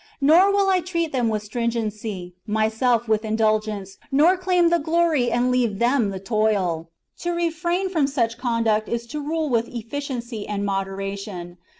Nor will I treat them with stringency, myself with indulgence, nor claim the glory and leave them the toil. To refrain from such conduct is to rule with efficiency and moderation.